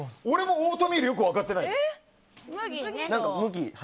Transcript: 俺もオートミールよく分かってない。